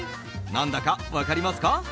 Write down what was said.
何だか分かりますか？